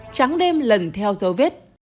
trắng đêm lần theo dấu vết